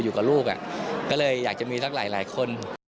อยู่กับลูกก็เลยอยากจะมีสักหลายคน